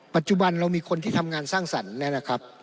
ปัจจุบันเรามีคนที่ทำงานสร้างสรรค์แล้วนะครับ